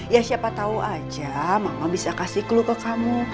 ya siapa tahu aja mama bisa kasih clue ke kamu